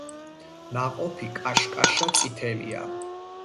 ნაყოფი კაშკაშა წითელია.